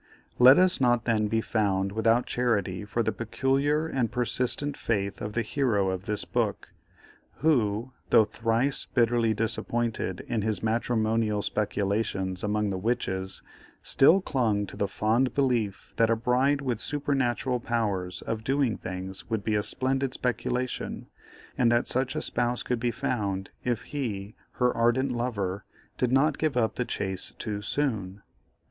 Let us not then be found without charity for the peculiar and persistent faith of the hero of this book, who, though thrice bitterly disappointed in his matrimonial speculations among the witches, still clung to the fond belief that a bride with supernatural powers of doing things would be a splendid speculation, and that such a spouse could be found if he, her ardent lover, did not give up the chase too soon.